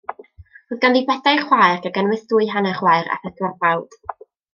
Roedd ganddi bedair chwaer, gan gynnwys dwy hanner chwaer, a phedwar brawd.